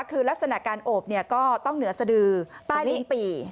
คือลักษณะการโอบก็ต้องเหนือสดือใต้ลิ้นปี่